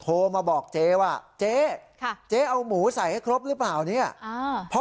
โทรมาบอกเจ๊ว่าเจ๊เอาหมูใส่ให้ครบหรือเปล่า